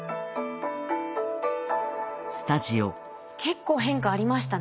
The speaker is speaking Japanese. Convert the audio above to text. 結構変化ありましたね。